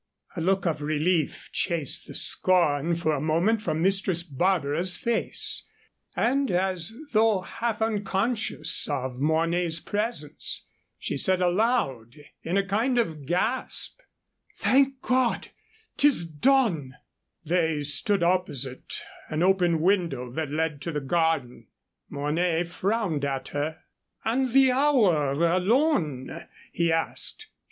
A look of relief chased the scorn for a moment from Mistress Barbara's face, and, as though half unconscious of Mornay's presence, she said aloud, in a kind of gasp: "Thank God, 'tis done!" They stood opposite an open window that led to the garden. Mornay frowned at her. "And the hour alone?" he asked.